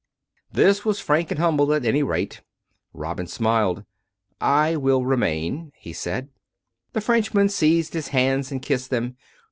This was frank and humble, at any rate. Robin smiled. " I will remain," he said. The Frenchman seized his hands and kissed them.